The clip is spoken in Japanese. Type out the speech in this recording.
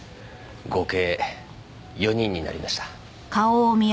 合計４人になりました。